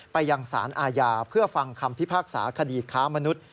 ไปยังสารอาญาเพื่อฟังคำพิพากษาคดีค้ามนุษย์